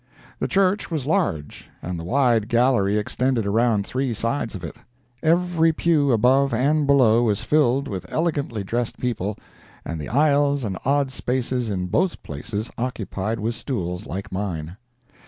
The church was large, and the wide gallery extended around three sides of it. Every pew above and below was filled with elegantly dressed people, and the aisles and odd spaces in both places occupied with stools like mine.